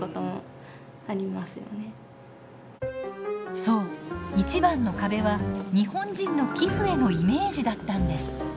そう一番の壁は日本人の寄付へのイメージだったんです。